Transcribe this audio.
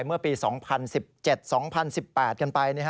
เมื่อปี๒๐๑๗๒๐๑๘กันไป